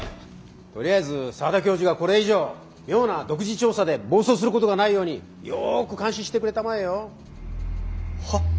とりあえず澤田教授がこれ以上妙な独自調査で暴走することがないようによく監視してくれたまえよ。は。